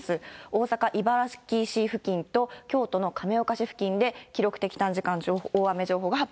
大阪・茨木市付近と京都の亀岡市付近で記録的短時間大雨情報が発